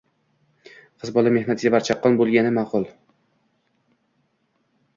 Qiz bola mehnatsevar, chaqqon bo‘lgani ma’qul.